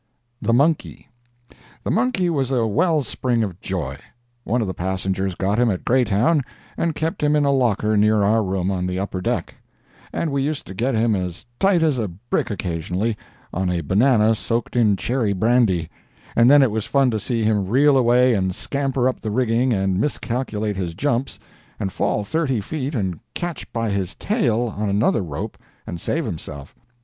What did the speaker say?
THE MONKEY The monkey was a well spring of joy—one of the passengers got him at Greytown and kept him in a locker near our room on the upper deck—and we used to get him as tight as a brick occasionally, on a banana soaked in cherry brandy, and then it was fun to see him reel away and scamper up the rigging and miscalculate his jumps and fall thirty feet and catch by his tail on another rope and save himself.